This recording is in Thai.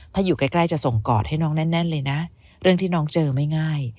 ถ้าอยู่ใกล้จะส่งกอดให้น้องแน่นเลยนะเรื่องที่น้องเจอไม่ง่าย